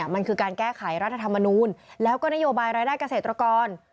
มันคือการแก้ไขรัฐธรรมนูลแล้วก็นโยบายรายได้เกษตรกร